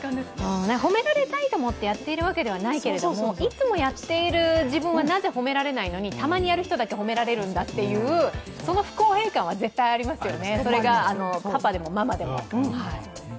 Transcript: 褒められたいと思ってやっているわけではないけれども、いつもやっている自分はなぜ褒められないのにたまにやる人だけ褒められるんだっていうその不公平感は絶対ありますよね、それがパパでもママでも。